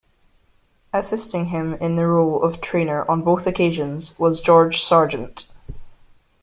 Assisting him in the role of trainer on both occasions was George Sargeant.